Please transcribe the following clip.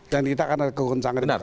dan kita karena keguguran sangat